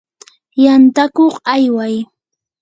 yantakuq ayway.